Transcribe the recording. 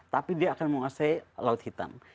tapi dia akan menguasai laut hitam